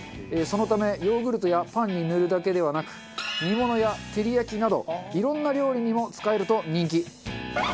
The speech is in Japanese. そのためヨーグルトやパンに塗るだけではなく煮物や照り焼きなどいろんな料理にも使えると人気。